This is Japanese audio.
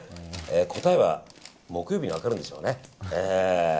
答えは木曜日に分かるんでしょうね。